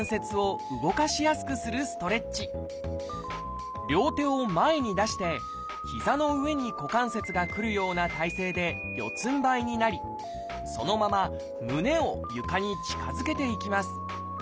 最初は固まった両手を前に出して膝の上に股関節がくるような体勢で四つんばいになりそのまま胸を床に近づけていきます。